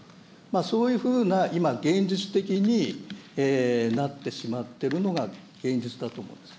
そういうふうな今、現実的になってしまっているのが現実だと思うんです。